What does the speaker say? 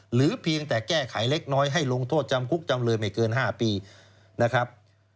เพียงแต่แก้ไขเล็กน้อยให้ลงโทษจำคุกจำเลยไม่เกิน๕ปีนะครับ